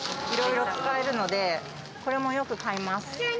いろいろ使えるのでこれもよく買います。